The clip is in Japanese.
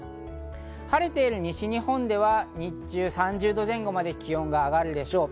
晴れている西日本では日中は３０度前後まで気温が上がるでしょう。